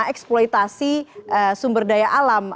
eksploitasi sumber daya alam